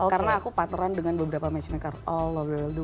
karena aku partneran dengan beberapa matchmaker all over the world